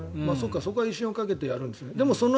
そこは威信をかけてやるんですね。